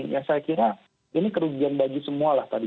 ya saya kira ini kerugian bagi semua lah tadi